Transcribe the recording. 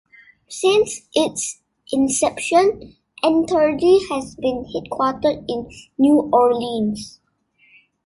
Since its inception, Entergy has been headquartered in New Orleans.